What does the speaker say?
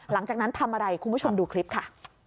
หลังจากนั้นทำอะไรคุณผู้ชมดูคลิปค่ะ